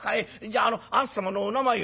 じゃああなた様のお名前を」。